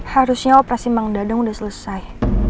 harusnya operasi mang dadang sudah selesai